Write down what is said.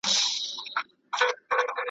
نه مي ډلي دي لیدلي دي د کارګانو `